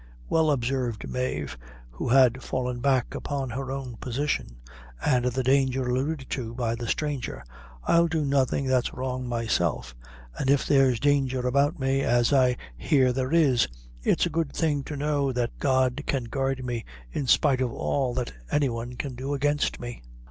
"Well," observed Mave, who had fallen back upon her own position, and the danger alluded to by the stranger, "I'll do nothing that's wrong myself, and if there's danger about me, as I hear there is, it's a good thing to know that God can guard me in spite of all that any one can do against me."